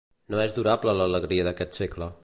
No és durable l'alegria d'aquest segle.